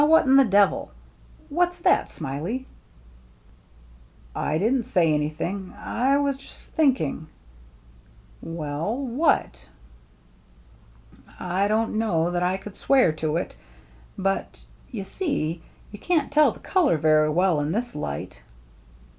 Now what in the devil — what's that. Smiley ?"" I didn't say anything. I was just think ing— " cc Well— what?" " I don't know that I could swear to it, but — you see, you can't tell the color very well in this light."